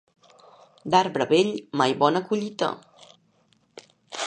D'arbre vell, mai bona collita.